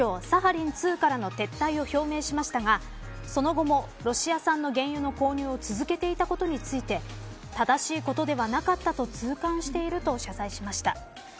サハリン２からの撤退を表明しましたがその後もロシア産の原油の購入を続けていたことについて正しいことではなかったと痛感していると謝罪しました。